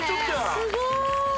すごーい